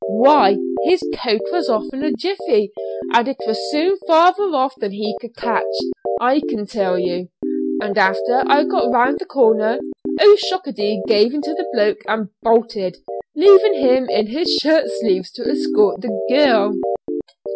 why, his coat was off in a jiffey, and it was soon farther off than he could catch, I can tell you. After I got round the corner O'Shockady gave in to the bloke and bolted, leaving him in his shirt sleeves to escort the girl."